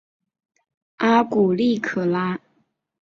阿古利可拉。